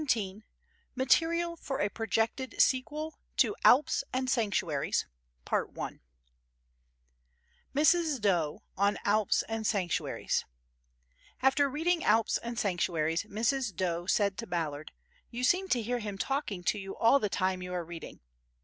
] XVII Material for a Projected Sequel to Alps and Sanctuaries Mrs. Dowe on Alps and Sanctuaries AFTER reading Alps and Sanctuaries Mrs. Dowe said to Ballard: "You seem to hear him talking to you all the time you are reading."